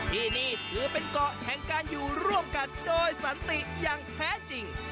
ที่นี่ถือเป็นเกาะแห่งการอยู่ร่วมกันโดยสันติอย่างแท้จริง